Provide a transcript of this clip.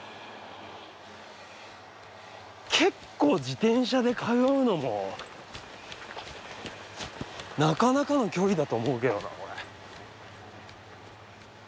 結構自転車で通うのもなかなかの距離だと思うけどなこれ。